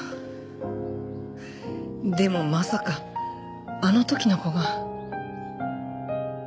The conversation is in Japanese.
でもまさかあの時の子が。